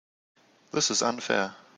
This is unfair.